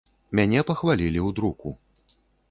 Мяне пахвалілі ў друку.